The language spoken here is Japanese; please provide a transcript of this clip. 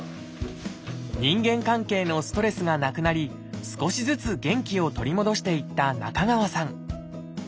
人間関係のストレスがなくなり少しずつ元気を取り戻していった中川さん。